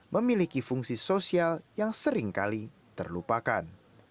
memiliki fungsi sosial yang seringkali terlupakan